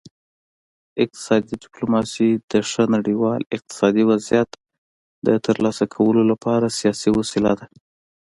اقتصادي ډیپلوماسي د ښه نړیوال اقتصادي وضعیت د ترلاسه کولو لپاره سیاسي وسیله ده